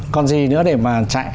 còn gì nữa để mà chạy